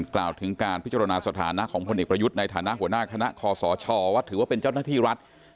กล่าวถึงการพิจารณาสถานะของพลเอกประยุทธ์ในฐานะหัวหน้าคณะคอสชว่าถือว่าเป็นเจ้าหน้าที่รัฐ